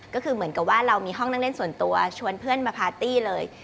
ก็คือเหมือนกับว่าเรามีห้องนั่งเล่นส่วนตัวชวนเพื่อนมาพาร์ตี้เลย